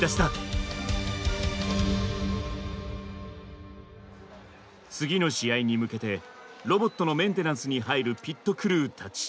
次の試合に向けてロボットのメンテナンスに入るピットクルーたち。